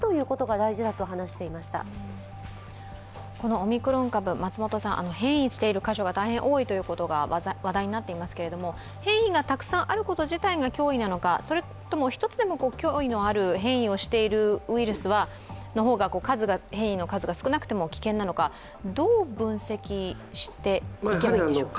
オミクロン株、変異している箇所が大変多いということが話題になっていますが、変異がたくさんあること自体が脅威なのかそれとも一つでも驚異のある変異をしているウイルスの方が変異の数が少なくても危険なのかどう分析していけばいいんでしょうか。